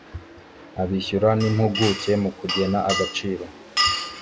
abishyura n impuguke mu kugena agaciro